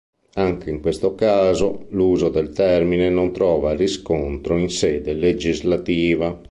Anche in questo caso l'uso del termine non trova riscontro in sede legislativa.